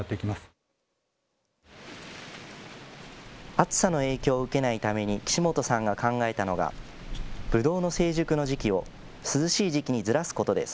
暑さの影響を受けないために岸本さんが考えたのがぶどうの成熟の時期を涼しい時期にずらすことです。